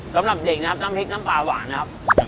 สำหรับเด็กนะครับน้ำพริกน้ำปลาหวานนะครับ